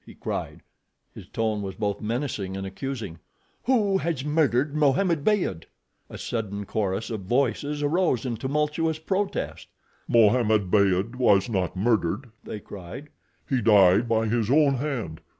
he cried. His tone was both menacing and accusing. "Who has murdered Mohammed Beyd?" A sudden chorus of voices arose in tumultuous protest. "Mohammed Beyd was not murdered," they cried. "He died by his own hand.